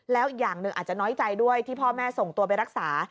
แล้วอีกอย่างหนึ่งอาจจะน้อยใจด้วยที่พ่อแม่ส่งตัวไปรักษา